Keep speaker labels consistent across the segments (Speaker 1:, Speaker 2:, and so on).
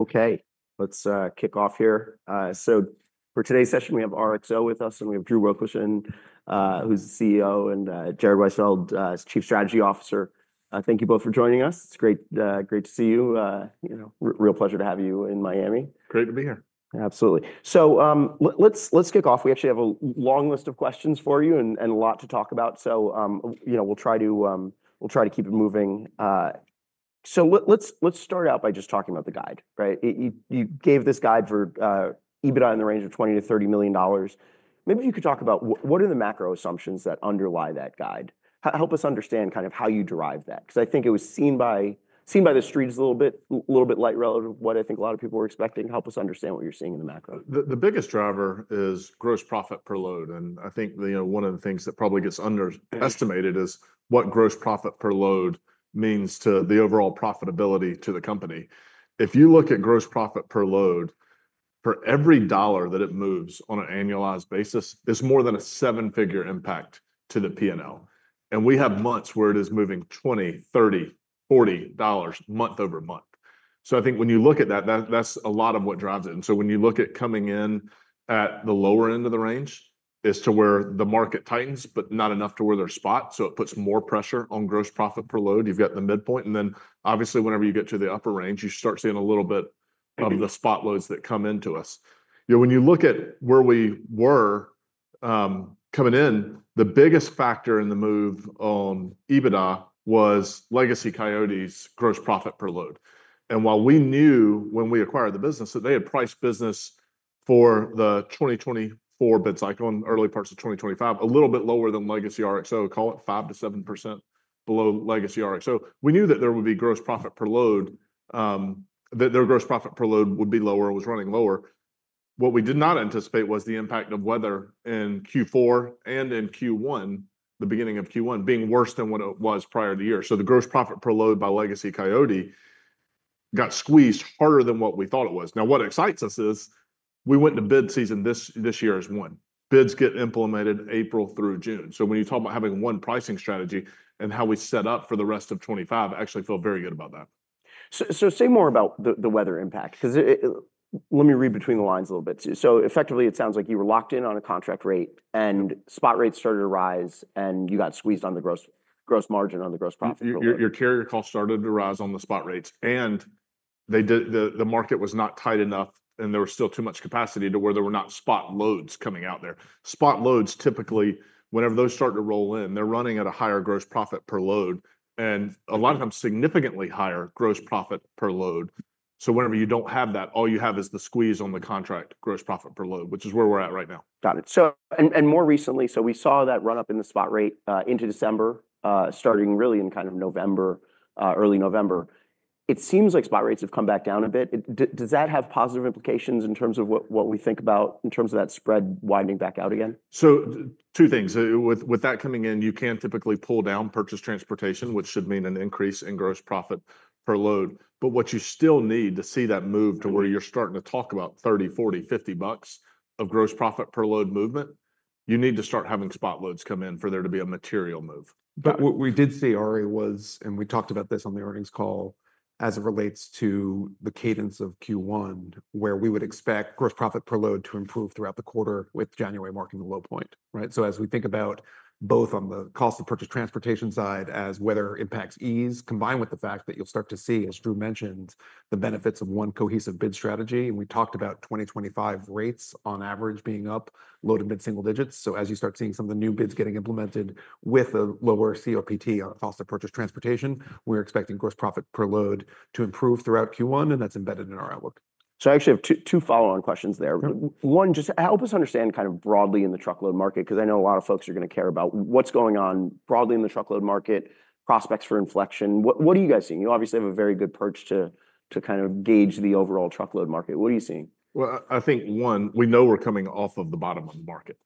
Speaker 1: Okay, let's kick off here. So for today's session, we have RXO with us and we have Drew Wilkerson, who's the CEO, and Jared Weisfeld, Chief Strategy Officer. Thank you both for joining us. It's great to see you. Real pleasure to have you in Miami.
Speaker 2: Great to be here. Absolutely. So let's kick off. We actually have a long list of questions for you and a lot to talk about. So, we'll try to keep it moving. So let's start out by just talking about the guide. Right? You gave this guide for EBITDA in the range of $20 million-$30 million. Maybe you could talk about what are the macro assumptions that underlie that guide. Help us understand kind of how you derive that. Because I think it was seen by the streets a little bit light relative what I think a lot of people were expecting. Help us understand what you're seeing in the macro. The biggest driver is gross profit per load. And I think one of the things that probably gets underestimated is what gross profit per load means to the overall profitability to the company. If you look at gross profit per load, for every dollar that it moves on an annualized basis is more than a seven-figure impact to the P&L. And we have months where it is moving $20, $30, $40 month-over-month. So I think when you look at that, that's a lot of what drives it. And so when you look at coming in at the lower end of the range is to where the market tightens, but not enough to where they're spot. So it puts more pressure on gross profit per load. You've got the midpoint. And then obviously whenever you get to the upper range, you start seeing a little bit of the spot loads that come into us. You know, when you look at where we were coming in, the biggest factor in the move on EBITDA was legacy Coyote's gross profit per load. And while we knew when we acquired the business that they had priced business for the 2024 bid cycle and early parts of 2025, a little bit lower than legacy RXO. Call it 5%-7% below legacy RXO. We knew that there would be gross profit per load, that their gross profit per load would be lower, was running lower. What we did not anticipate was the impact of weather in Q4 and in Q1, the beginning of Q1 being worse than what it was prior to the year. So the gross profit per load by legacy Coyote got squeezed harder than what we thought it was. Now, what excites us is we went to bid season this year is when bids get implemented April through June. So when you talk about having one pricing strategy and how we set up for the rest of 2025, actually feel very good about that. Say more about the weather impact because let me read between the lines a little bit too. Effectively it sounds like you were locked in on a contract rate and spot rates started to rise and you got squeezed on the gross margin on the gross profit. Your carrier cost started to rise on the spot rates and they did. The market was not tight enough and there was still too much capacity to where there were not spot loads coming out there. Spot loads, typically whenever those start to roll in, they're running at a higher gross profit per load and a lot of them significantly higher gross profit per load. So whenever you don't have that, all you have is the squeeze on the contract gross profit per load, which is where we're at right now. Got it. So, and more recently, so we saw that run up in the spot rate into December, starting really in kind of November, early November, it seems like spot rates have come back down a bit. Does that have positive implications in terms of what we think about in terms of that spread widening back out again? So two things. With that coming in, you can typically pull down purchased transportation, which should mean an increase in gross profit per load. But what you still need to see that move to where you're starting to talk about $30, $40, $50 of gross profit per load movement, you need to start having spot loads come in for there to be a material move.
Speaker 3: What we did see, Ari, was, and we talked about this on the earnings call as it relates to the cadence of Q1, where we would expect gross profit per load to improve throughout the quarter with January marking the low point. Right. So as we think about both on the Cost of Purchased Transportation side, as weather impacts ease, combined with the fact that you'll start to see, as Drew mentioned, the benefits of one cohesive bid strategy and we talked about 2025 rates on average being up low to mid single digits. So as you start seeing some of the new bids getting implemented with a lower COPT or Cost of Purchased Transportation, we're expecting gross profit per load to improve throughout Q1, and that's embedded in our outlook. So I actually have two follow on questions there. One, just help us understand kind of broadly in the truckload market because I know a lot of folks are going to care about what's going on broadly in the truckload market, prospects for inflection, what are you guys seeing. You obviously have a very good perch to kind of gauge the overall truckload market. What are you seeing?
Speaker 2: I think one, we know we're coming off of the bottom of the market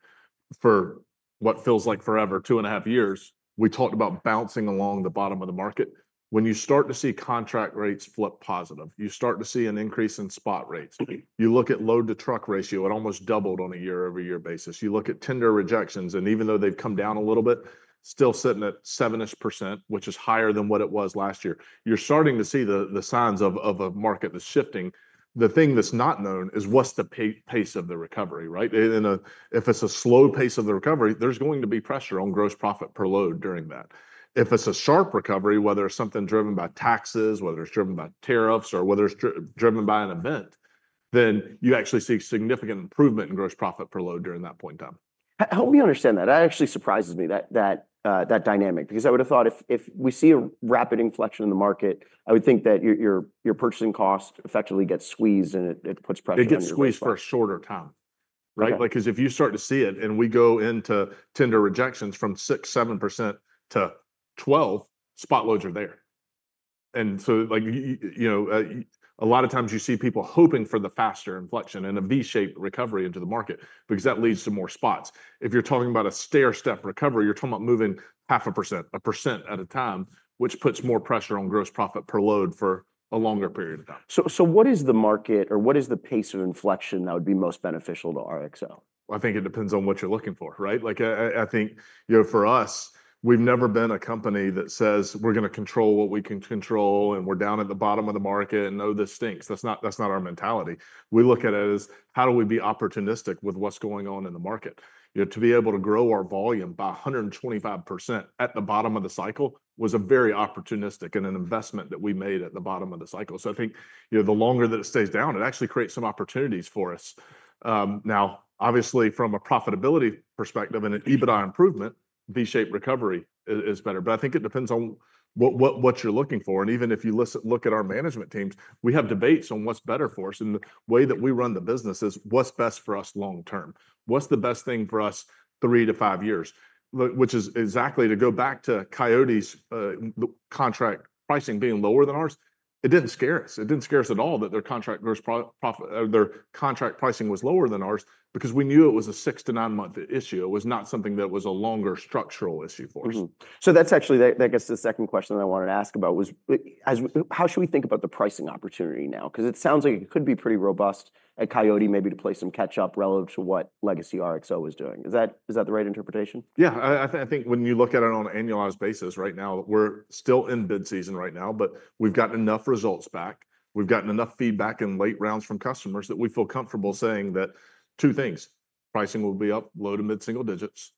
Speaker 2: for what feels like forever two and a half years. We talked about bouncing along the bottom of the market. When you start to see contract rates flip positive, you start to see an increase in spot rates. You look at load-to-truck ratio, it almost doubled on a year-over-year basis. You look at tender rejections and even though they've come down a little bit, still sitting at sevenish percent which is higher than what it was last year, you're starting to see the signs of a market that's shifting. The thing that's not known is what's the pace of the recovery. Right. If it's a slow pace of the recovery, there's going to be erosion on gross profit per load during that. If it's a sharp recovery, whether it's something driven by taxes, whether it's driven by tariffs, or whether it's driven by an event, then you actually see significant improvement in gross profit per load during that point in time. Help me understand that. That actually surprises me, that dynamic. Because I would have thought if we see a rapid inflection in the market, I would think that your purchasing cost effectively gets squeezed and it puts pressure on it. It gets squeezed for a shorter time. Right. Because if you start to see it and we go into tender rejections from 6-7% to 12%, spot loads are there. And so like, you know, a lot of times you see people hoping for the faster inflection and a V-shaped recovery into the market because that leads to more spots. If you're talking about a stair-step recovery, you're talking about moving half a percent, a percent at a time which puts more pressure on gross profit per load for a longer period of time. What is the market or what is the pace of inflection that would be most beneficial to RXO? I think it depends on what you're looking for. Right. Like I think, you know, for us, we've never been a company that says we're going to control what we can control and we're down at the bottom of the market and know this stinks. That's not, that's not our mentality. We look at it as how do we be opportunistic with what's going on in the market, you know, to be able to grow our volume by 125% at the bottom of the cycle was a very opportunistic and an investment that we made at the bottom of the cycle. So I think, you know, the longer that it stays down, it actually creates some opportunities for us. Now obviously from a profitability perspective and an EBITDA improvement, V shaped recovery is better. But I think it depends on what, what you're looking for. And even if you listen, look at our management teams, we have debates on what's better for us and the way that we run the business is what's best for us long term, what's the best thing for us three- to five-year. Which is exactly to go back to Coyote's contract pricing being lower than ours. It didn't scare us. It didn't scare us at all that their contract gross profit, their contract pricing was lower than ours because we knew it was a six- to nine-month issue. It was not something that was a longer structural issue for us. So that's actually, I guess the second question that I wanted to ask about was how should we think about the pricing opportunity now? Because it sounds like it could be pretty robust at Coyote, maybe to play some catch up relative to what legacy RXO is doing. Is that the right interpretation? Yeah, I think when you look at it on an annualized basis right now we're still in bid season right now, but we've gotten enough results back, we've gotten enough feedback in late rounds from customers that we feel comfortable saying that two things. Pricing will be up low to mid single digits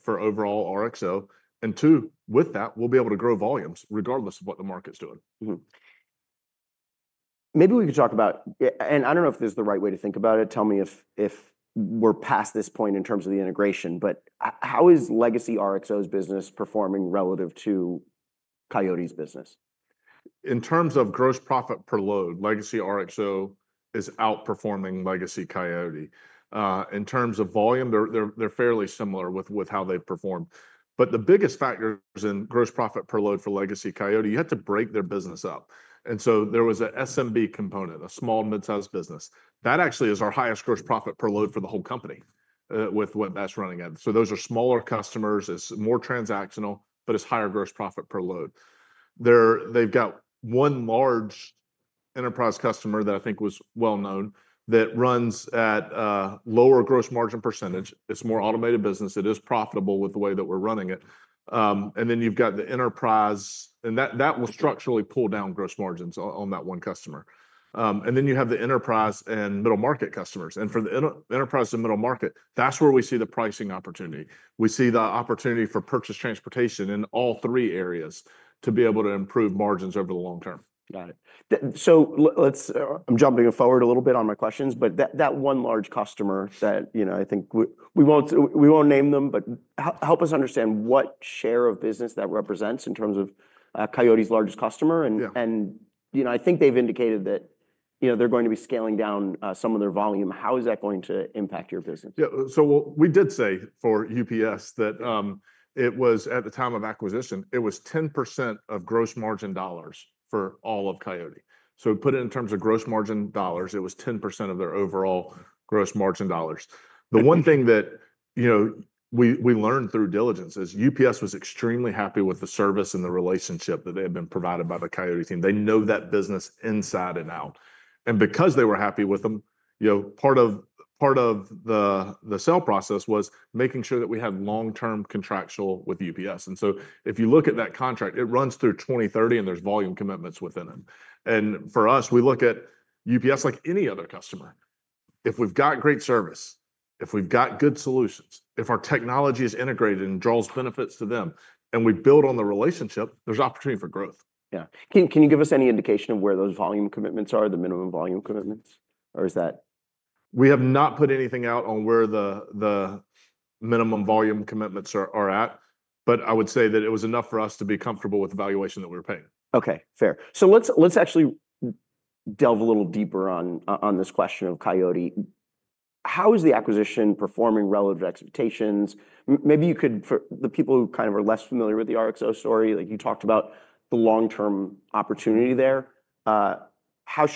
Speaker 2: for overall RXO and two with that we'll be able to grow volumes regardless of what the market's doing. Maybe we could talk about and I don't know if this is the right way to think about it. Tell me if we're past this point in terms of the integration, but how is legacy RXO's business performing relative to Coyote's business? In terms of gross profit per load? Legacy RXO is outperforming legacy Coyote in terms of volume. They're fairly similar with how they perform. But the biggest factors in gross profit per load for legacy Coyote, you have to break their business up. And so there was a SMB component, a small midsize business that actually is our highest gross profit per load for the whole company with what that's running at. So those are smaller customers, it's more transactional, but it's higher gross profit per load. They've got one large enterprise customer that I think was well known that runs at lower gross margin percentage. It's more automated business, it is profitable with the way that we're running it. And then you've got the enterprise and that will structurally pull down gross margins on that one customer. And then you have the enterprise and middle market customers. And for the enterprise and middle market, that's where we see the pricing opportunity, we see the opportunity for purchase transportation in all three areas to be able to improve margins over the long term. Got it. So let's, I'm jumping forward a little bit on my questions, but that one large customer that, you know, I think we won't name them, but help us understand what share of business that represents in terms of Coyote's largest customer. And you know, I think they've indicated that, you know, they're going to be scaling down some of their volume. How is that going to impact your business? Yeah, so we did say for UPS that it was, at the time of acquisition, 10% of gross margin dollars for all of Coyote. Put it in terms of gross margin dollars; it was 10% of their overall gross margin dollars. The one thing that, you know, we learned through diligence is UPS was extremely happy with the service and the relationship that they had been provided by the Coyote team. They know that business inside and out. Because they were happy with them, you know, part of the sale process was making sure that we had long term contractual with UPS. If you look at that contract, it runs through 2030 and there's volume commitments within it. For us, we look at UPS like any other customer. If we've got great service, if we've got good solutions, if our technology is integrated and draws benefits to them and we build on the relationship, there's opportunity for growth. Yeah. Can you give us any indication of where those volume commitments are, the minimum volume commitments, or is that... We have not put anything out on where the minimum volume commitments are at, but I would say that it was enough for us to be comfortable with the valuation that we were paying. Okay, fair. So let's actually delve a little deeper on this question of Coyote. How is the acquisition performing? Relative expectations? Maybe you could, for the people who kind of are less familiar with the RXO story, you talked about the long term opportunity there. How should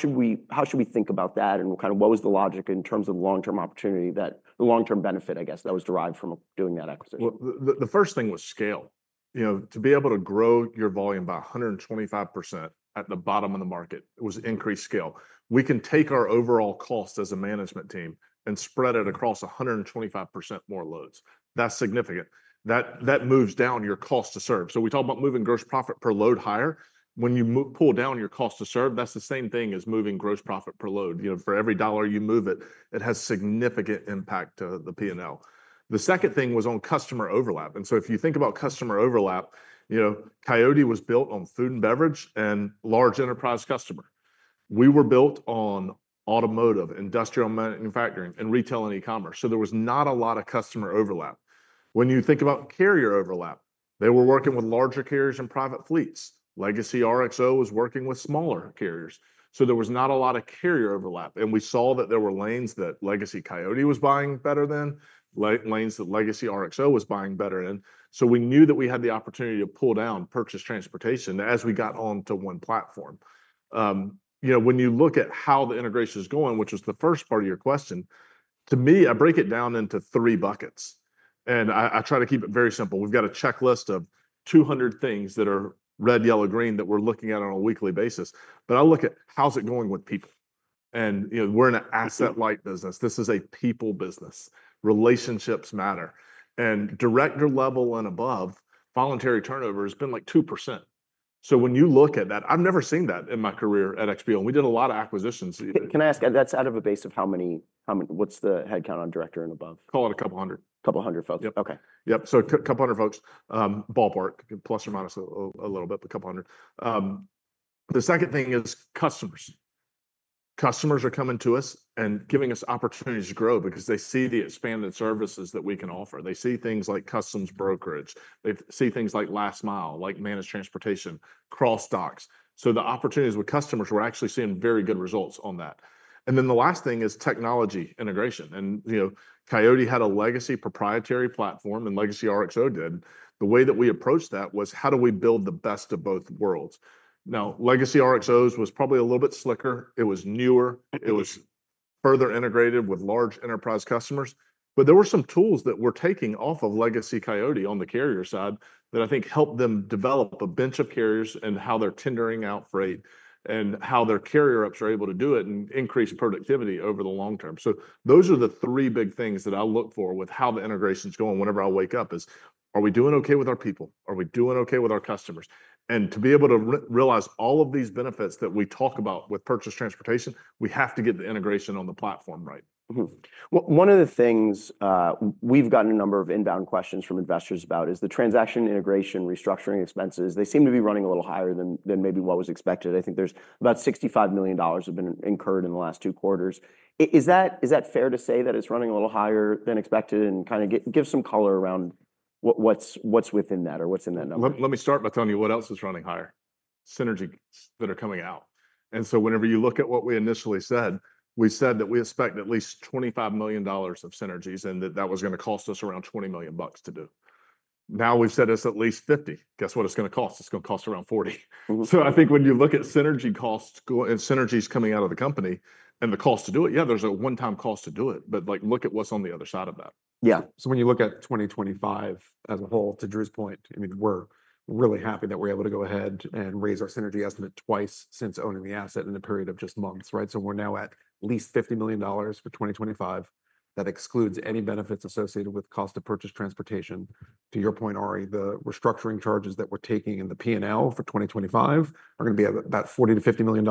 Speaker 2: we, how should we think about that and kind of what was the logic in terms of long term opportunity that the long term benefit, I guess that was derived from doing that acquisition? The first thing was scale. You know, to be able to grow your volume by 125% at the bottom of the market was increased scale. We can take our overall cost as a management team and spread it across 125% more loads. That's significant that moves down your cost to serve. So we talk about moving gross profit per load higher. When you pull down your cost of serve, that's the same thing as moving gross profit per load. You know, for every dollar you move it, it has significant impact to the P&L. The second thing was on customer overlap. And so if you think about customer overlap, you know, Coyote was built on food and beverage and large enterprise customer. We were built on automotive, industrial, manufacturing and retail and e-commerce. So there was not a lot of customer overlap. When you think about carrier overlap, they were working with larger carriers and private fleets. Legacy RXO was working with smaller carriers, so there was not a lot of carrier overlap, and we saw that there were lanes that legacy Coyote was buying better than lanes that legacy RXO was buying better in, so we knew that we had the opportunity to pull down purchase transportation as we got onto one platform. You know, when you look at how the integration is going, which is the first part of your question to me, I break it down into three buckets and I try to keep it very simple. We've got a checklist of 200 things that are red, yellow, green that we're looking at on a weekly basis, but I look at how's it going with people, and you know, we're in an asset light business. This is a people business. Relationships matter and director level and above. Voluntary turnover has been like 2%. So when you look at that, I've never seen that in my career at XPO and we did a lot of acquisitions. Can I ask, that's out of a base of how many? How many? What's the headcount on Director and above? Call it a couple hundred. Couple hundred folks. Okay. Yep. So a couple hundred folks. Ballpark, plus or minus a little bit. A couple hundred. The second thing is customers. Customers are coming to us and giving us opportunities to grow because they see the expanded services that we can offer. They see things like customs brokerage. They see things like Last Mile, like Managed Transportation, cross-dock. So the opportunities with customers, we're actually seeing very good results on that. And then the last thing is technology integration. And, you know, Coyote had a legacy proprietary platform and legacy RXO did. The way that we approached that was, how do we build the best of both worlds? Now, legacy RXO's was probably a little bit slicker. It was newer. It was further integrated with large enterprise customers. But there were some tools that we're taking off of legacy Coyote on the carrier side that I think helped them develop a bunch of carriers and how they're tendering out freight and how their carrier apps are able to do it and increase productivity over the long term. So those are the three big things that I look for with how the integration is going whenever I wake up is are we doing okay with our people, are we doing okay with our customers? And to be able to realize all of these benefits that we talk about with purchase transportation, we have to get the integration on the platform. Right. One of the things we've gotten a number of inbound questions from investors about is the transaction integration, restructuring expenses. They seem to be running a little higher than maybe what was expected. I think there's about $65 million have incurred in the last two quarters. Is that, is that fair to say that it's running a little higher than expected and kind of give some color around what's, what's within that or what's in that number? Let me start by telling you what else is running higher. Synergies that are coming out. And so whenever you look at what we initially said, we said that we expect at least $25 million of synergies and that that was going to cost us around $20 million to do. Now we've said it's at least $50 million. Guess what it's going to cost, it's going to cost around $40 million. So I think when you look at synergy costs and synergies coming out of the company and the cost to do it. Yeah, there's a one time cost to do it, but like look at what's on the other side of that. Yeah.
Speaker 3: So when you look at 2025 as a whole, to Drew's point, I mean, we're really happy that we're able to go ahead and raise our synergy estimate twice since owning the asset in a period of just months. Right. So we're now at least $50 million for 2025. That excludes any benefits associated with Cost of Purchased Transportation. To your point, Ari, the restructuring charges that we're taking in the P&L for 2025 are going to be about $40-$50 million.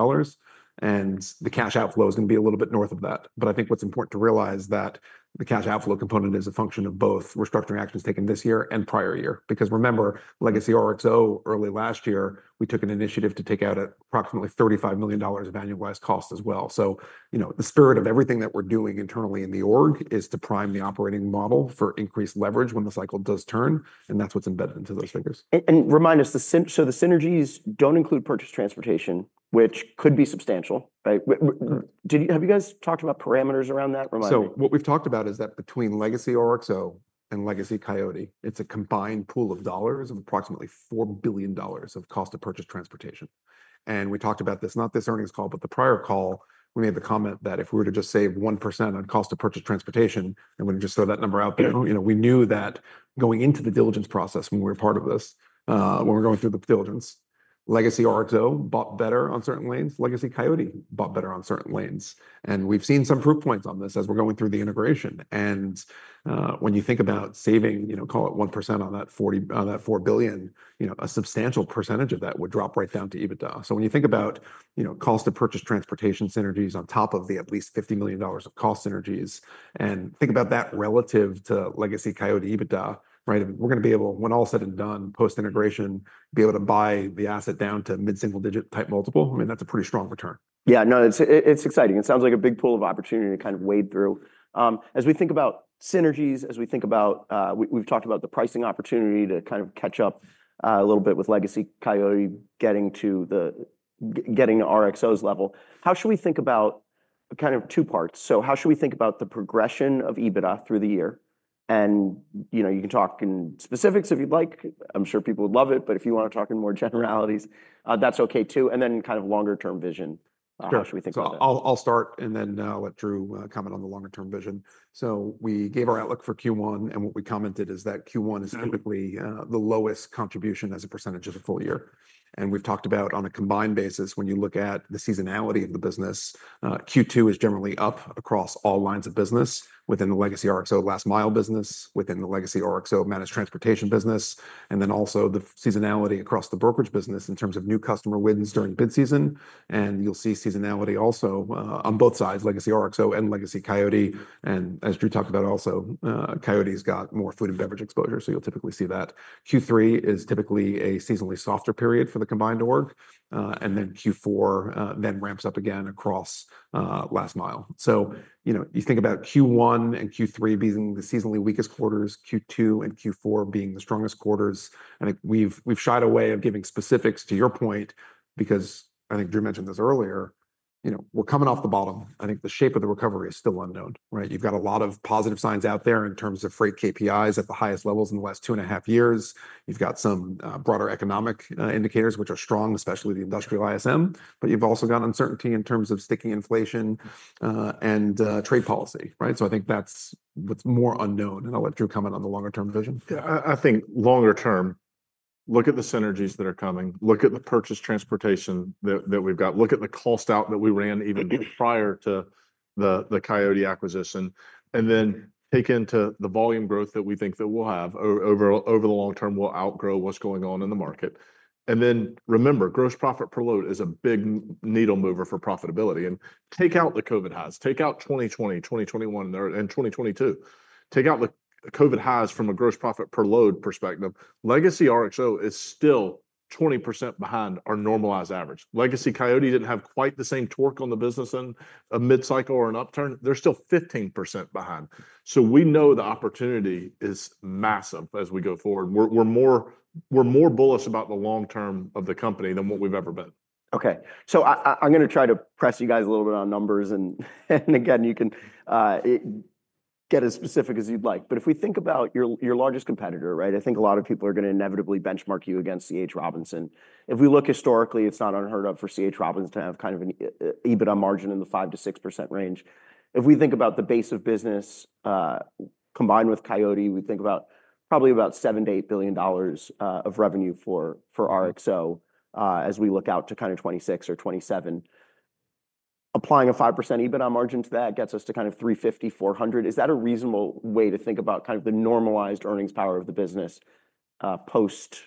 Speaker 3: And the cash outflow is going to be a little bit north of that. But I think what's important to realize that the cash outflow component is a function of both restructuring actions taken this year and prior year. Because remember legacy RXO, early last year we took an initiative to take out approximately $35 million of annualized cost as well. So you know, the spirit of everything that we're doing internally in the org is to prime the operating model for increased leverage when the cycle does turn. That's what's embedded into those figures. And remind us, so the synergies don't include purchase transportation, which could be substantial. Have you guys talked about parameters around that? So what we've talked about is that between legacy RXO and legacy Coyote, it's a combined pool of dollars of approximately $4 billion of cost to purchase transportation. And we talked about this, not this earnings call, but the prior call. We made the comment that if we were to just save 1% on cost to purchase transportation and we just throw that number out there, you know, we knew that going into the diligence process when we were part of this. When we're going through the diligence, legacy RXO bought better on certain lanes. Legacy Coyote bought better on certain lanes. And we've seen some proof points on this as we're going through the integration. And when you think about saving, call it 1% on that $4 billion, a substantial percentage of that would drop right down to EBITDA. So when you think about cost to purchase transportation synergies on top of the at least $50 million of cost synergies and think about that relative to legacy Coyote EBITDA, right. We're going to be able, when all said and done post integration, be able to buy the asset down to mid single digit type multiple. I mean that's a pretty strong return. Yeah, no, it's exciting. It sounds like a big pool of opportunity to kind of wade through. As we think about synergies, as we think about, we've talked about the pricing opportunity to kind of catch up a little bit with legacy Coyote getting to RXO's level, how should we think about kind of two parts? So how should we think about the progression of EBITDA through the year? And you can talk in specifics if you'd like, I'm sure people would love it. But if you want to talk in more generalities, that's okay too. And then kind of longer term vision, how should we think about that? I'll start and then let Drew comment on the longer term vision. So we gave our outlook for Q1 and what we commented is that Q1 is typically the lowest contribution as a percentage of the full year. And we've talked about on a combined basis, when you look at the seasonality of the business, Q2 is generally up across all lines of business within the legacy RXO Last Mile business, within the legacy RXO Managed Transportation business. And then also the seasonality across the brokerage business in terms of new customer wins during bid season. And you'll see seasonality also on both sides. Legacy RXO and legacy Coyote. And as Drew talked about, also Coyote's got more food and beverage exposure. So you'll typically see that Q3 is typically a seasonally softer period for the combined org. And then Q4 then ramps up again across Last Mile. So you know, you think about Q1 and Q3 being the seasonally weakest quarters, Q2 and Q4 being the strongest quarters. I think we've shied away from giving specifics to your point because I think Drew mentioned this earlier. You know, we're coming off the bottom. I think the shape of the recovery is still unknown. Right. You've got a lot of positive signs out there in terms of freight KPIs at the highest levels in the last two and a half years. You've got some broader economic indicators which are strong, especially the ISM. But you've also got uncertainty in terms of sticky inflation and trade policy. Right. So I think that's what's more unknown, and I'll let you comment on the longer term vision.
Speaker 2: Yeah, I think longer term, look at the synergies that are coming, look at the purchase transportation that we've got, look at the cost out that we ran even prior to the Coyote acquisition and then take into the volume growth that we think that we'll have over the long term will outgrow what's going on in the market. And then remember, gross profit per load is a big needle mover for profitability. And take out the COVID highs, take out 2020, 2021 and 2022. Take out the COVID highs. From a gross profit per load perspective, legacy RXO is still 20% behind our normalized average. Legacy Coyote didn't have quite the same torque on the business in a mid cycle or an upturn, they're still 15% behind. So we know the opportunity is massive. As we go forward, we're more bullish about the long term of the company than what we've ever been. Okay. So I'm going to try to press you guys a little bit on numbers and again you can get as specific as you'd like. But if we think about your largest competitor, I think a lot of people are going to inevitably benchmark you against C.H. Robinson. If we look historically, it's not unheard of for C.H. Robinson to have kind of an EBITDA margin in the 5%-6% range. If we think about the base of business combined with Coyote, we think about probably about $7 billion-$8 billion of revenue for RXO. As we look out to kind of 2026 or 2027. Applying a 5% EBITDA margin to that gets us to kind of 350-400. Is that a reasonable way to think about kind of the normalized earnings power of the business post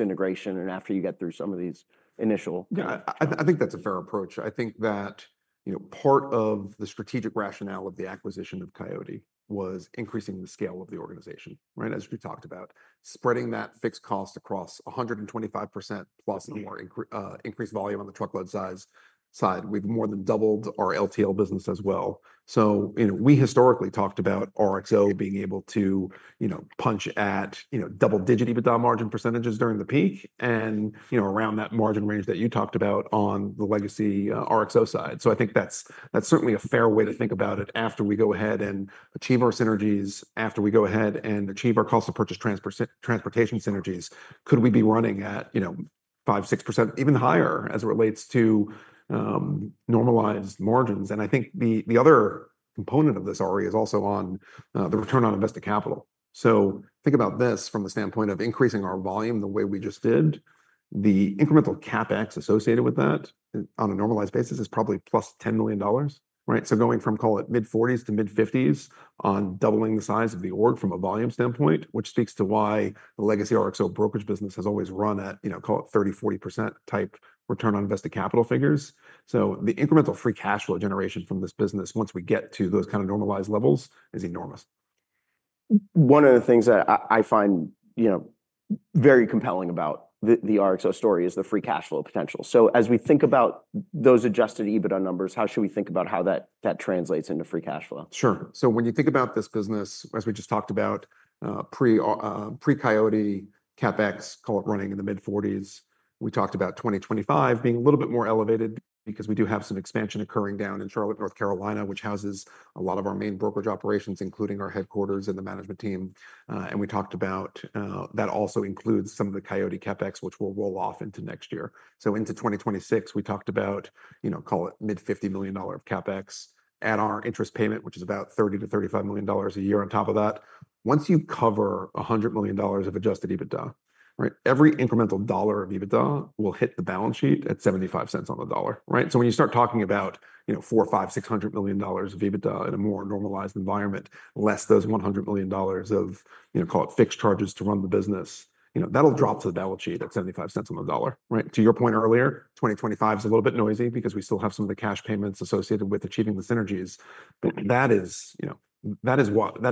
Speaker 2: integration? And after you get through some of these initial.
Speaker 3: Yeah, I think that's a fair approach. I think that, you know, part of the strategic rationale of the acquisition of Coyote was increasing the scale of the organization.
Speaker 2: Right.
Speaker 3: As we talked about spreading that fixed cost across 125% plus more increased volume on the truckload size side, we've more than doubled our LTL business as well. So you know, we historically talked about RXO being able to, you know, punch at, you know, double digit EBITDA margin percentages during the peak and you know, around that margin range that you talked about on the legacy RXO side. So I think that's, that's certainly a fair way to think about it. After we go ahead and achieve our synergies, after we go ahead and achieve our Cost of Purchased Transportation synergies, could we be running at you know, 5-6%, even higher as it relates to normalized margins? And I think the, the other component of this Ari is also on the return on invested capital. Think about this from the standpoint of increasing our volume the way we just did, the incremental CapEx associated with that on a normalized basis is probably plus $10 million. Right. Going from call it mid-40s to mid-50s on doubling the size of the org from a volume standpoint, which speaks to why the legacy RXO brokerage business has always run at, you know, call it 30%-40% type return on invested capital figures. The incremental free cash flow generation from this business once we get to those kind of normalized levels is enormous. One of the things that I find, you know, very compelling about the RXO story is the free cash flow potential. So as we think about those adjusted EBITDA numbers, how should we think about how that translates into free cash flow? Sure. So when you think about this business, as we just talked about pre-Coyote CapEx, call it running in the mid-40s. We talked about 2025 being a little bit more elevated because we do have some expansion occurring down in Charlotte, North Carolina, which houses a lot of our main brokerage operations, including our headquarters and the management team. And we talked about that also includes some of the Coyote CapEx, which will roll off into next year. So into 2026, we talked about, you know, call it mid-$50 million of CapEx and our interest payment, which is about $30 to $35 million a year. On top of that, once you cover $100 million of adjusted EBITDA. Right. Every incremental dollar of EBITDA will hit the balance sheet at 75 cents on the dollar. Right. So when you start talking about, you know, four, five, $600 million of EBITDA in a more normalized environment, less those $100 million of you know, call it fixed charges to run the business, you know, that'll drop to the balance sheet at $0.75 on the dollar. Right. To your point earlier, 2025 is a little bit noisy because we still have some of the cash achieving the synergies, that is, you know, what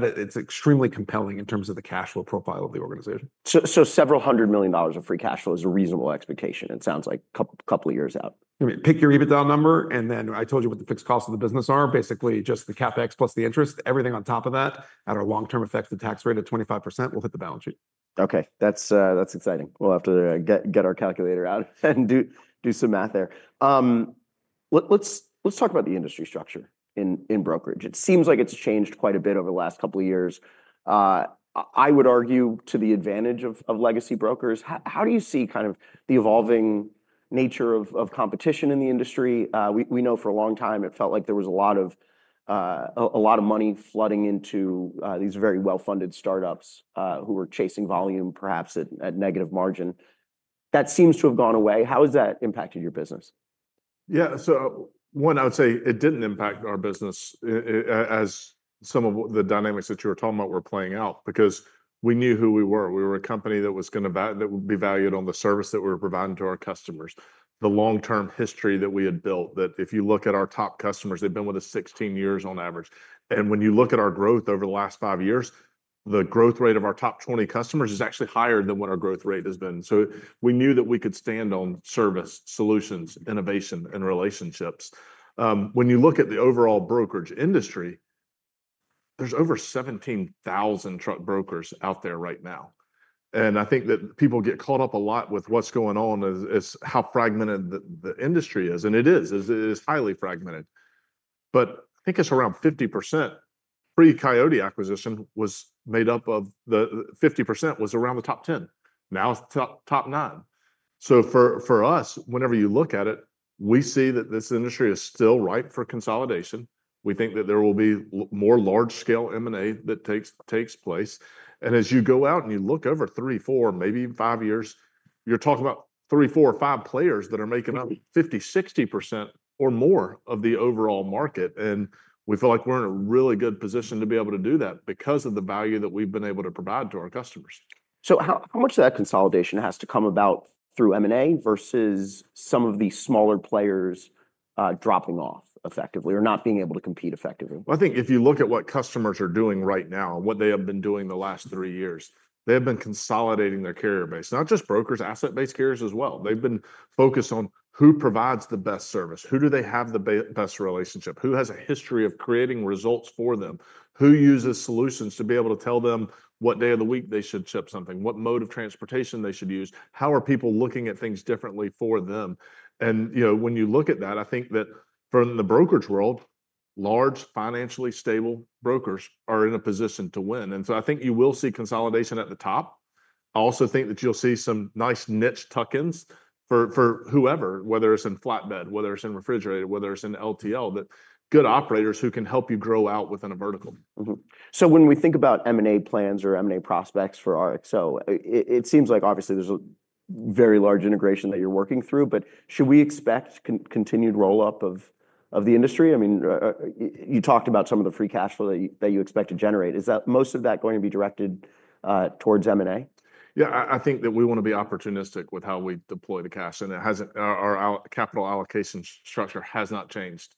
Speaker 3: it's extremely compelling in terms of the cash flow profile of the organization. Several hundred million dollars of free cash flow is a reasonable expectation. It sounds like a couple years out. Pick your EBITDA number and then I told you what the fixed costs of the business are basically just the CapEx plus the interest, everything. On top of that, at our long-term effective tax rate of 25%, we'll hit the balance sheet. Okay, that's exciting. We'll have to get our calculator out and do some math there. Let's talk about the industry structure in brokerage. It seems like it's changed quite a bit over the last couple of years. I would argue to the advantage of legacy brokers. How do you see kind of the evolving nature of competition in the industry? We know for a long time it felt like there was a lot of money flooding into these very well funded startups who were chasing volume perhaps at negative margin, that seems to have gone away. How has that impacted your business?
Speaker 2: Yeah, so one, I would say it didn't impact our business as some of the dynamics that you were talking about were playing out because we knew who we were, we were a company that was going to be valued on the service that we were providing to our customers. The long term history that we had built that if you look at our top customers, they've been with us 16 years on average. And when you look at our growth over the last five years, the growth rate of our top 20 customers is actually higher than what our growth rate has been. So we knew that we could stand on service, solutions, innovation and relationships. When you look at the overall brokerage industry, there's over 17,000 truck brokers out there right now. And I think that people get caught up a lot with what's going on is how fragmented the industry is. And it is highly fragmented, but I think it's around 50%. Pre Coyote acquisition was made up of the 50%, was around the top 10, now it's top 9. So for us, whenever you look at it, we see that this industry is still ripe for consolidation. We think that there will be more large-scale M&A that takes place. And as you go out and you look over three, four, maybe five years, you're talking about three, four or five players that are making up 50%-60% or more of the overall market. And we feel like we're in a really good position to be able to do that because of the value that we've been able to provide to our customers. So how much of that consolidation has to come about through M&A versus some of these smaller players dropping off effectively or not being able to compete effectively? Well, I think if you look at what customers are doing right now, what they have been doing the last three years, they have been consolidating their carrier base. Not just brokers, asset based carriers as well. They've been focused on who provides the best service, who do they have the best relationship, who has a history of creating results for them, who uses solutions to be able to tell them what day of the week they should ship something, what mode of transportation they should use, how are people looking at things differently for them? And you know, when you look at that, I think that from the brokerage world, large financially stable brokers are in a position to win. And so I think you will see consolidation at the top. I also think that you'll see some nice niche tuck-ins for whoever, whether it's in flatbed, whether it's in refrigerator, whether it's in LTL, but good operators who can help you grow out within a vertical. So when we think about M&A plans or M&A prospects for RXO, it seems like obviously there's a very large integration that you're working through. But should we expect continued roll up of the industry? I mean you talked about some of the free cash flow that you expect to generate. Is that most of that going to be directed towards M&A? Yeah. I think that we want to be opportunistic with how we deploy the cash, and it hasn't. Our capital allocation structure has not changed.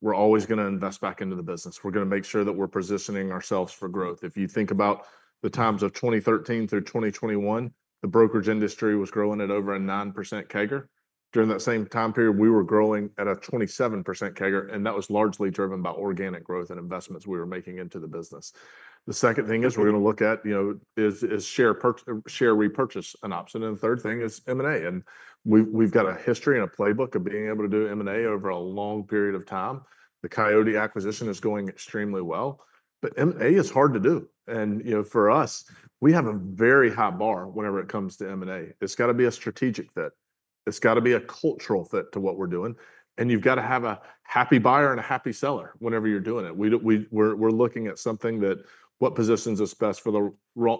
Speaker 2: We're always going to invest back into the business. We're going to make sure that we're positioning ourselves for growth. If you think about the times of 2013 through 2021, the brokerage industry was growing at over a 9% CAGR. During that same time period, we were growing at a 27% CAGR, and that was largely driven by organic growth and investments we were making into the business. The second thing is we're going to look at, you know, share repurchase as an option. The third thing is M&A. We've got a history and a playbook of being able to do M&A over a long period of time. The Coyote acquisition is going extremely well, but M&A is hard to do. You know, for us, we have a very high bar whenever it comes to M&A. It's got to be a strategic fit. It's got to be a cultural fit to what we're doing. You've got to have a happy buyer and a happy seller whenever you're doing it. We're looking at something that positions us best for the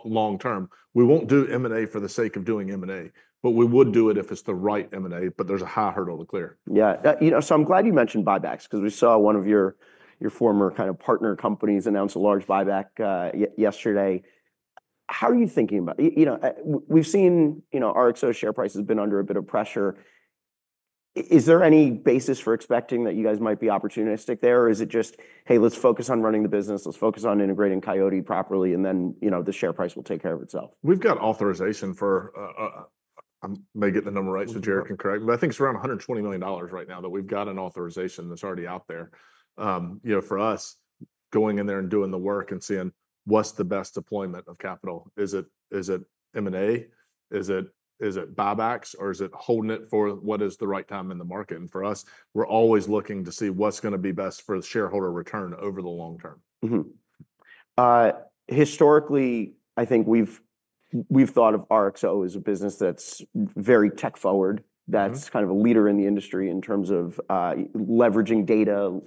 Speaker 2: long term. We won't do M&A for the sake of doing M&A, but we would do it if it's the right M&A. But there's a high hurdle to clear. Yeah. You know, so I'm glad you mentioned buybacks because we saw one of your former kind of partner companies announce a large buyback yesterday. How are you thinking about, you know, we've seen, you know, RXO share price has been under a bit of pressure. Is there any basis for expecting that you guys might be opportunistic there or is it just, hey, let's focus on running the business. Let's focus on integrating Coyote properly. And then, you know, the share price will take care of itself. We've got authorization. I may get the number right. So Jared can correct me. I think it's around $120 million right now that we've got an authorization that's already out there, you know, for us going in there and doing the work and seeing what's the best deployment of capital. Is it M&A? Is it buybacks or is it holding it for what is the right time in the market? And for us, we're always looking to see what's going to be best for the shareholder return over the long term. Historically, I think we've thought of RXO as a business that's very tech forward, that's kind of a leader in the industry in terms of leveraging data,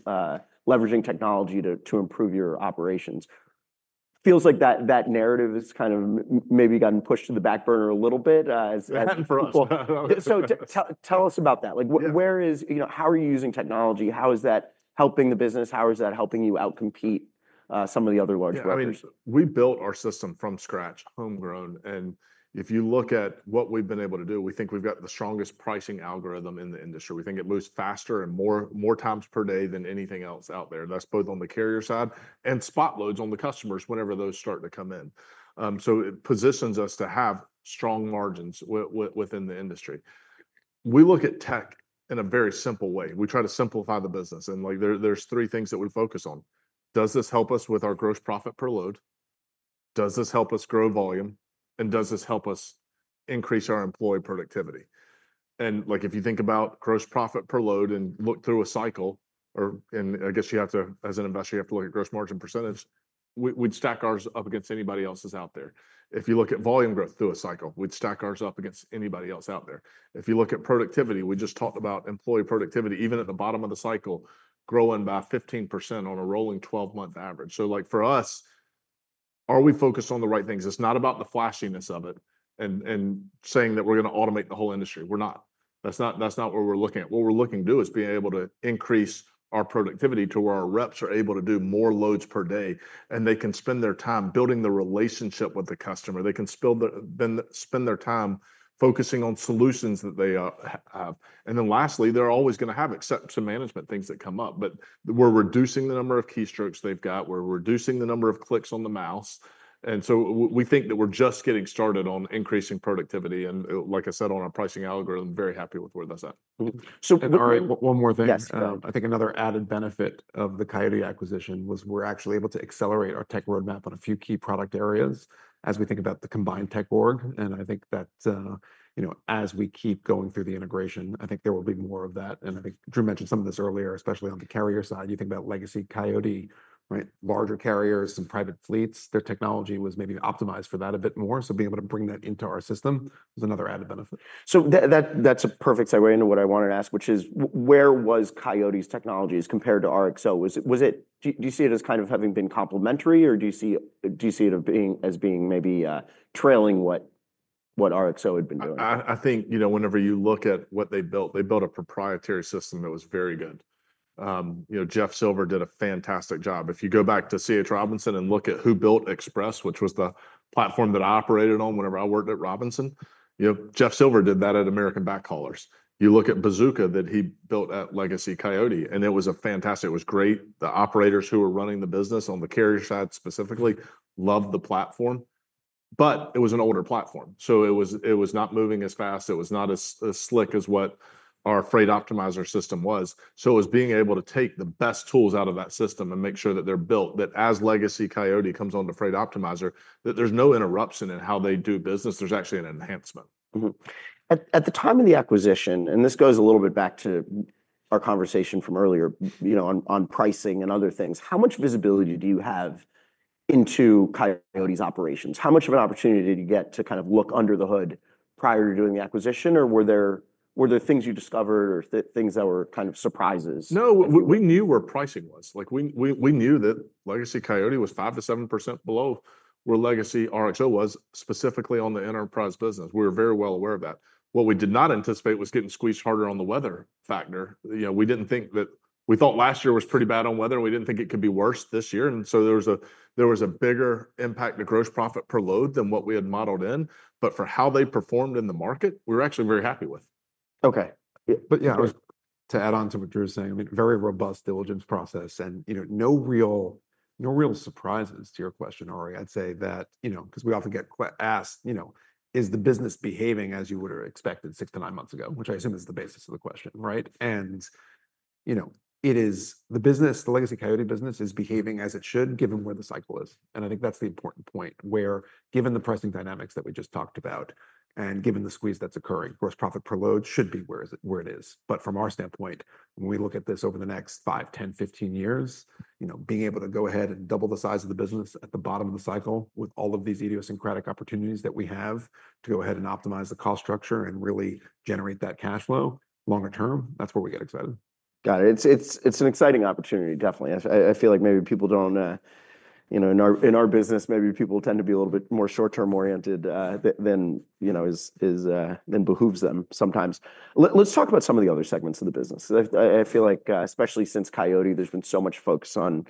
Speaker 2: leveraging technology to improve your operations. Feels like that narrative has kind of maybe gotten pushed to the back burner a little bit. So tell us about that. Like where is, you know, how are you using technology? How is that helping the business? How is that helping you outcompete some of the other large. I mean we built our system from scratch, homegrown, and if you look at what we've been able to do, we think we've got the strongest pricing algorithm in the industry. We think it moves faster and more, more times per day than anything else out there. That's both on the carrier side and spot loads on the customers whenever those start to come in. So it positions us to have strong margins within the industry. We look at tech in a very simple way. We try to simplify the business and like there's three things that we focus on. Does this help us with our gross profit per load, does this help us grow volume and does this help us increase our employee productivity? Like, if you think about gross profit per load and look through a cycle, and I guess you have to as an investor, you have to look at gross margin percentage, we'd stack ours up against anybody else's out there. If you look at volume growth through a cycle, we'd stack ours up against anybody else out there. If you look at productivity, we just talked about employee productivity even at the bottom of the cycle, growing by 15% on a rolling 12-month average. So like for us, are we focused on the right things? It's not about the flashiness of it and saying that we're going to automate the whole industry. We're not. That's not what we're looking at. What we're looking to do is be able to increase our productivity to where our reps are able to do more loads per day. And they can spend their time building the relationship with the customer. They can spend time focusing on solutions that they have. And then lastly, they're always going to have exception management things that come up, but we're reducing the number of keystrokes they've got. We're reducing the number of clicks on the mouse. And so we think that we're just getting started on increasing productivity. And like I said on our pricing algorithm. Very happy with where that's at.
Speaker 3: All right. One more thing. I think another added benefit of the Coyote acquisition was we're actually able to accelerate our tech roadmap on a few key product areas as we think about the combined tech org. I think that, you know, as we keep going through the integration, I think there will be more of that. I think Drew mentioned some of this earlier, especially on the carrier side. You think about legacy Coyote, right? Larger carriers, some private fleets, their technology was maybe optimized for that a bit more. So being able to bring that into our system is another added benefit. That's a perfect segue into what I wanted to ask, which is where was Coyote's technologies compared to RXO? Was it? Do you see it as kind of having been complementary? Or do you see it as being maybe trailing what RXO had been doing?
Speaker 2: I think, you know, whenever you look at what they built, they built a proprietary system that was very good. You know, Jeff Silver did a fantastic job. If you go back to C.H. Robinson and look at who built Express, which was the platform that I operated on whenever I worked at Robinson, you know, Jeff Silver did that at American Backhaulers. You look at Bazooka that he built at legacy Coyote, and it was a fantastic. It was great. The operators who were running the business on the carrier side specifically loved the platform, but it was an older platform, so it was not moving as fast. It was not as slick as what our Freight Optimizer system was. So it was being able to take the best tools out of that system and make sure that they're built that as legacy Coyote comes onto Freight Optimizer, that there's no interruption in how they do business. There's actually an enhancement. At the time of the acquisition, and this goes a little bit back to our conversation from earlier, you know, on pricing and other things. How much visibility do you have into Coyote's operations? How much of an opportunity did you get to kind of look under the hood prior to doing the acquisition? Or were there things you discovered or things that were kind of surprises? No, we knew where pricing was like. We knew that legacy Coyote was 5%-7% below where legacy RXO was. Specifically on the enterprise business, we were very well aware of that. What we did not anticipate was getting squeezed harder on the weather factor. You know, we didn't think that. We thought last year was pretty bad on weather. We didn't think it could be worse this year. And so there was a bigger impact to gross profit per load than what we had modeled in, but for how they performed in the market, we were actually very happy with.
Speaker 3: Okay, but yeah, to add on to what you were saying, I mean, very robust diligence process and, you know, no real surprises to your question, Ari. I'd say that, you know, because we often get asked, you know, is the business behaving as you would have expected six to nine months ago? Which I assume is the basis of the question. Right. And you know, it is the business, the legacy Coyote business is behaving as it should given where the cycle is. And I think that's the important point where given the pricing dynamics that we just talked about and given the squeeze that's occurring, gross profit per load should be where it is, where it is. But from our standpoint, when we look at this over the next five, 10, 15 years, being able to go ahead and double the size of the business at the bottom of the cycle with all of these idiosyncratic opportunities that we have to go ahead and optimize the cost structure and really generate that cash flow longer term, that's where we get excited. Got it. It's an exciting opportunity. Definitely. I feel like maybe people don't in our business, maybe people tend to be a little bit more short term oriented than. Behooves them sometimes. Let's talk about some of the other segments of the business. I feel like, especially since Coyote, there's been so much focus on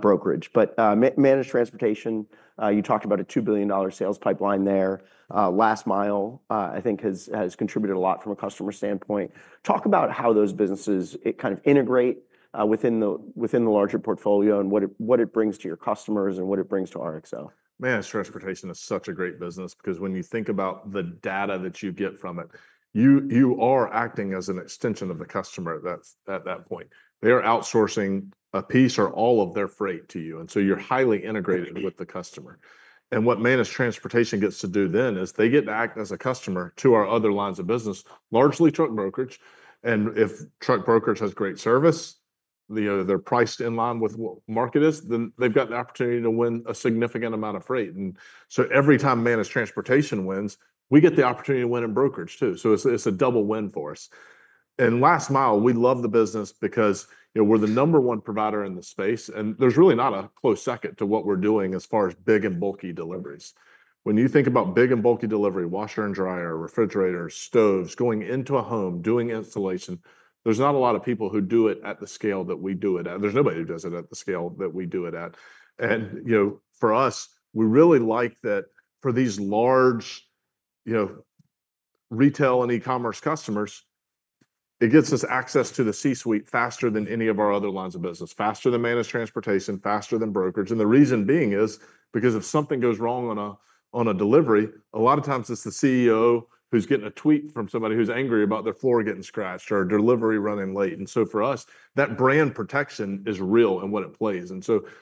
Speaker 3: brokerage. But Managed Transportation, you talked about a $2 billion sales pipeline there. Last Mile, I think has contributed a lot from a customer standpoint. Talk about how those businesses kind of integrate within the larger portfolio and what it brings to your customers and what it brings to RXO.
Speaker 2: Managed transportation is such a great business because when you think about the data that you get from it, you are acting as an extension of the customer that at that point they are outsourcing a piece or all of their freight to you. And so you're highly integrated with the customer. And what Managed Transportation gets to do then is they get to act as a customer to our other lines of business, largely truck brokerage. And if truck brokerage has great service, you know, they're priced in line with what market is, then they've got the opportunity to win a significant amount of freight. And so every time Managed Transportation wins, we get the opportunity to win in brokerage too. So it's a double win. For us and Last Mile, we love the business because we're the number one provider in the space. And there's really not a close second to what we're doing as far as big and bulky deliveries. When you think about big and bulky delivery, washer and dryer, refrigerator, stoves, going into a home, doing installation, there's not a lot of people who do it at the scale that we do it at. There's nobody who does it at the scale that we do it at. And for us, we really like that for these large, you know, retail and e-commerce customers, it gets us access to the C-suite faster than any of our other lines of business, faster than Managed Transportation, faster than brokerage. And the reason being is because if something goes wrong on a delivery, a lot of times it's the CEO who's getting a tweet from somebody who's angry about their floor getting scratched or delivery running late. For us, that brand protection is real and what it plays.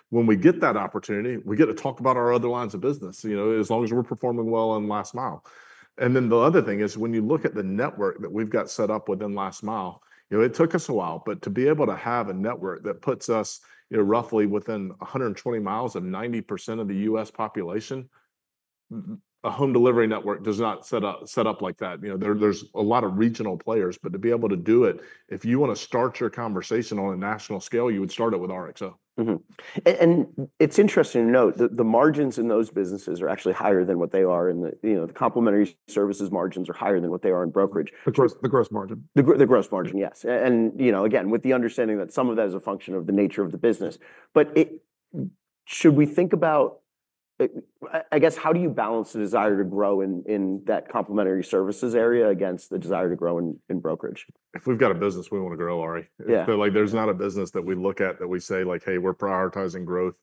Speaker 2: When we get that opportunity, we get to talk about our other lines of business. You know, as long as we're performing well on Last Mile. The other thing is, when you look at the network that we've got set up within Last Mile, you know, it took us a while, but to be able to have a network that puts us roughly within 120 miles of 90% of the U.S. population. A home delivery network does not set up like that. You know, there's a lot of regional players, but to be able to do it, if you want to start your conversation on a national scale, you would start it with RXO. It's interesting to note that the margins in those businesses are actually higher than what they are. You know, the complementary services margins are higher than what in brokerage?
Speaker 3: The gross margin. The gross margin, yes, and you know, again, with the understanding that some of that is a function of the nature of the business, but should we think about, I guess, how do you balance the desire to grow in that complementary services area against the desire to grow in brokerage?
Speaker 2: If we've got a business we want to grow, Ari, like, there's not a business that we look at that we say, like, hey, we're prioritizing growth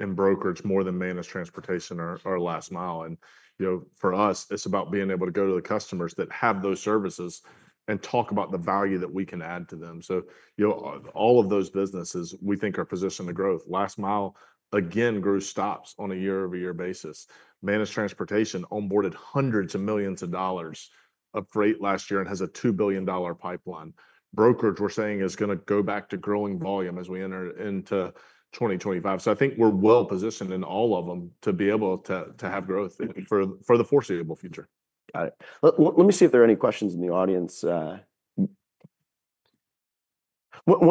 Speaker 2: in brokerage more than Managed Transportation or Last Mile. And, you know, for us, it's about being able to go to the customers that have those services and talk about the value that we can add to them. So, you know, all of those businesses we think are positioned to grow. Last Mile again grew spot tons on a year-over-year basis. Managed Transportation onboarded hundreds of millions of dollars of freight last year and has a $2 billion pipeline. Brokerage, we're saying is going to go back to growing volume as we enter into 2025. So I think we're well positioned in all of them to be able to have growth for the foreseeable future. Got it. Let me see if there are any questions in the audience. One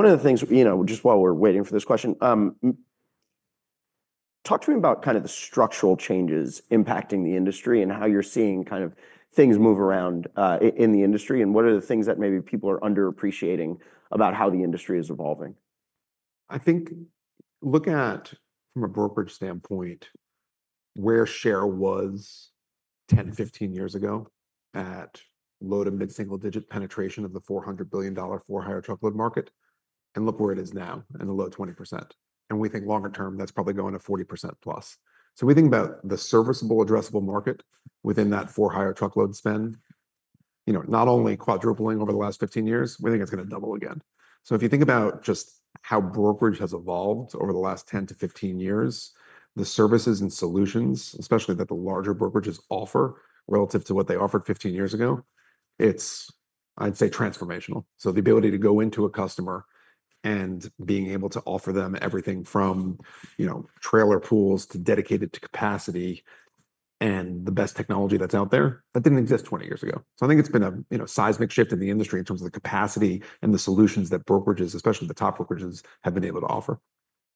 Speaker 2: of the things, you know, just while we're waiting for this question. Talk to me about kind of the structural changes impacting the industry and how you're seeing kind of things move around in the industry and what are the things that maybe people are underappreciating about how the industry is evolving?
Speaker 3: I think, look at from a brokerage standpoint where share was 10-15 years ago at low- to mid-single-digit penetration of the $400 billion for-hire truckload market, and look where it is now in the low 20%, and we think longer term that's probably going to 40% plus, so we think about the serviceable, addressable market within that for-hire truckload spend not only quadrupling over the last 15 years, we think it's going to double again, so if you think about just how brokerage has evolved over the last 10-15 years, the services and solutions especially that the larger brokerages offer relative to what they offered 15 years ago, it's, I'd say, transformational. So the ability to go into a customer and being able to offer them everything from, you know, trailer pools to dedicated to capacity and the best technology that's out there that didn't exist 20 years ago. So I think it's been a seismic shift in the industry in terms of the capacity and the solutions that brokerages, especially the top brokerages have been able to offer.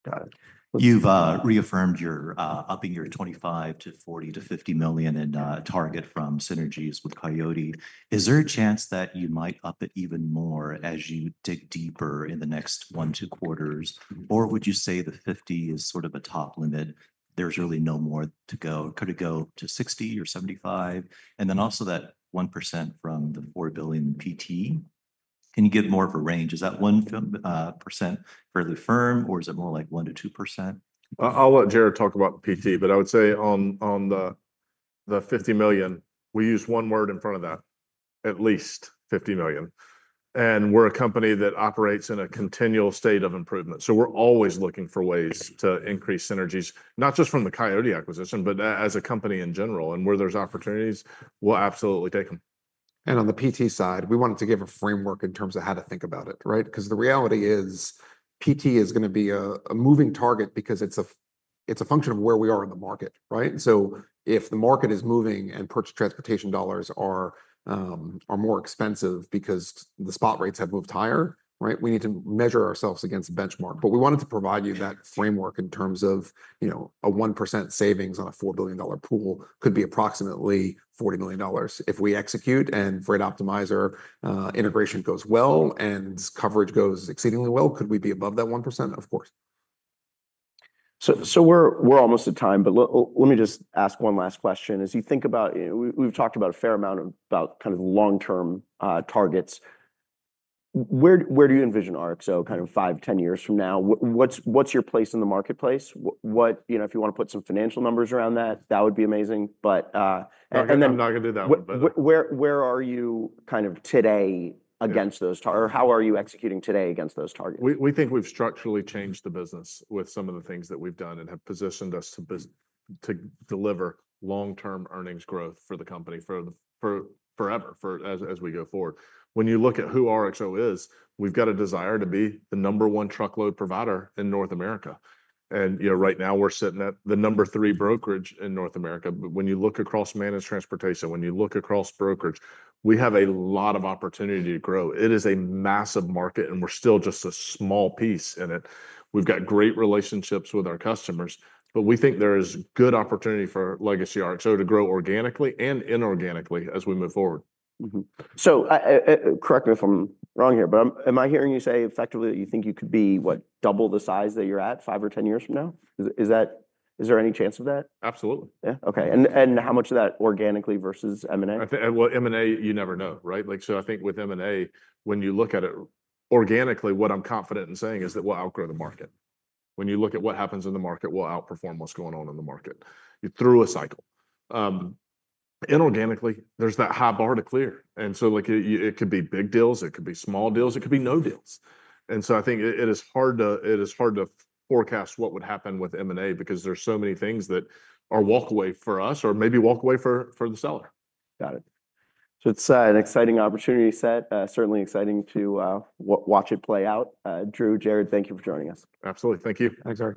Speaker 3: Got it. You've reaffirmed you're upping your $25-$40 to $50 million target from synergies with Coyote. Is there a chance that you might up it even more as you dig deeper in the next 1-2 quarters? Or would you say the $50 is sort of a top limit? There's really no more to go? Could it go to $60 or $75 and then also that 1% from the $4 billion PT? Can you give more of a range? Is that 1% fairly firm or is it more like 1-2%?
Speaker 2: I'll let Jared talk about PT, but I would say on the $50 million we use one word in front of that, at least $50 million, and we're a company that operates in a continual state of improvement. So we're always looking for ways to increase synergies, not just from the Coyote acquisition, but as a company in general, and where there's opportunities, we'll absolutely take them.
Speaker 3: And on the PT side, we wanted to give a framework in terms of how to think about it. Right. Because the reality is PT is going to be a moving target because it's a function of where we are in the market. Right. So if the market is moving and purchase transportation dollars are more expensive because the spot rates have moved higher. Right. We need to measure ourselves against benchmark. But we wanted to provide you that framework in terms of, you know, a 1% savings on a $4 billion pool could be approximately $40 million. If we execute and Freight Optimizer integration goes well and coverage goes exceedingly well. Could we be above that 1%? Of course. So, we're almost at time. But let me just ask one last question. As you think about, we've talked about a fair amount about kind of long term targets. Where do you envision RXO kind of five, ten years from now? What's your place in the marketplace? What, you know, if you want to put some financial numbers around that, that would be amazing. But, and I'm not going to do that. Where are you kind of today against those, or how are you executing today against those targets?
Speaker 2: We think we've structurally changed the business with some of the things that we've done and have positioned us to deliver long-term earnings growth for the company forever as we go forward. When you look at who RXO is, we've got a desire to be the number one truckload provider in North America, and you know, right now we're sitting at the number three brokerage in North America, but when you look across Managed Transportation, when you look across truck brokerage, we have a lot of opportunity to grow. It is a massive market and we're still just a small piece in it. We've got great relationships with our customers, but we think there is good opportunity for legacy RXO to grow organically and inorganically as we move forward. So correct me if I'm wrong here, but am I hearing you say effectively that you think you could be, what, double the size that you're at five or 10 years from now? Is that, is there any chance of that? Absolutely. Yeah. Okay. And how much of that organically versus M&A? M&A, you never know. Right. Like, so I think with M&A, when you look at it organically, what I'm confident in saying is that we'll outgrow the market. When you look at what happens in the market will outperform what's going on in the market through a cycle. Inorganically, there's that high bar to clear. And so, like, it could be big deals, it could be small deals, it could be no deals. And so I think it is hard to forecast what would happen with M&A, because there's so many things that are walk away for us or maybe walk away for the seller. Got it. So it's an exciting opportunity set. Certainly exciting to watch it play out. Drew, Jared, thank you for joining us. Absolutely. Thank you.
Speaker 3: Thanks, Eric.